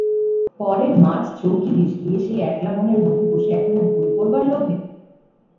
পরের মাছ চৌকি দিস গিয়ে সেই একলা বনের মধ্যে বসে একখানা বই পড়বার লোভে?